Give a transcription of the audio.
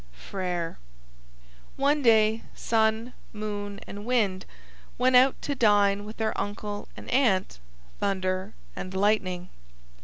Frere One day Sun, Moon, and Wind went out to dine with their uncle and aunt Thunder and Lightning.